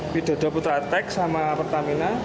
bidadah putra atek sama pertamina